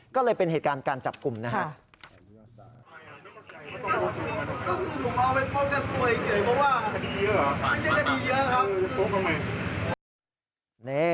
ก็เลยเป็นเหตุการณ์การจับกลุ่มนะฮะ